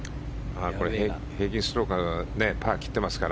平均ストロークがパーを切っていますから。